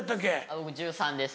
僕１３です。